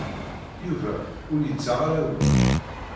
Yuba ur yettaɣ ara awal.